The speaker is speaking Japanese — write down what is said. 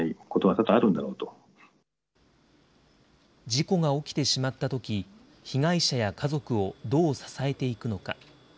事故が起きてしまったとき、被害者や家族をどう支えていくのか。